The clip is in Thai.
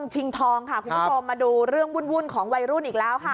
ชิงทองค่ะคุณผู้ชมมาดูเรื่องวุ่นของวัยรุ่นอีกแล้วค่ะ